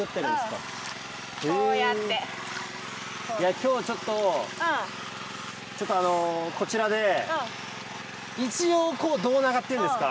今日はちょっとちょっとあのこちらで一応こう胴長っていうんですか？